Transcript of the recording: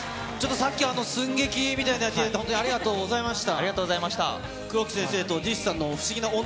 さっきの寸劇みたいなの、ありがとうございました。